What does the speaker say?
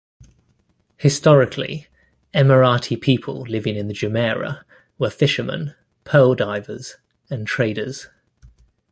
Historically, Emirati people living in the Jumeirah were fishermen, pearl divers and traders.